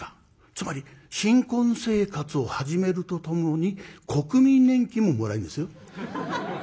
つまり新婚生活を始めるとともに国民年金ももらえるんですよ。